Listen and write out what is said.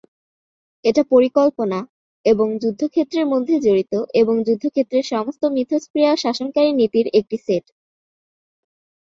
এটা পরিকল্পনা, এবং যুদ্ধের মধ্যে জড়িত, এবং যুদ্ধ ক্ষেত্রের সমস্ত মিথস্ক্রিয়া শাসনকারী নীতির একটি সেট।